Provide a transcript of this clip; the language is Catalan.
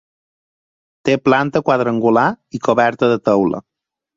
Té planta quadrangular i coberta de teula.